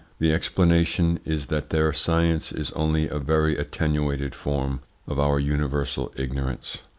The explanation is that their science is only a very attenuated form of our universal ignorance.